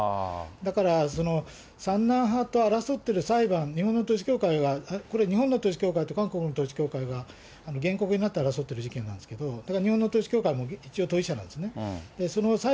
だから三男派と争っている裁判、日本の統一教会が、これ、日本の統一教会と韓国の統一教会が、原告になって争っている事件なんですけれども、だから日本の統一教会も一応当事者なんですね。